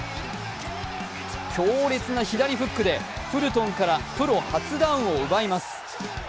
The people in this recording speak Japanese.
強烈な左フックで、フルトンからプロ初ダウンを奪います。